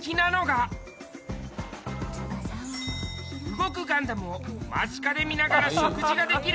動くガンダムを間近で見られる食事ができる